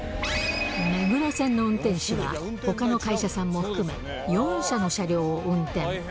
目黒線の運転手は、ほかの会社さんも含め、４社の車両を運転。